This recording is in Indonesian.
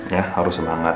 ya harus semangat